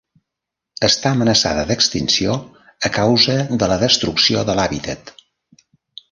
Està amenaçada d'extinció a causa de la destrucció de l'hàbitat.